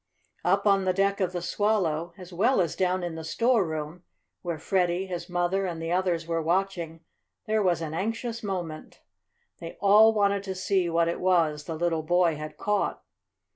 Up on the deck of the Swallow, as well as down in the storeroom, where Freddie, his mother and the others were watching, there was an anxious moment. They all wanted to see what it was the little boy had caught.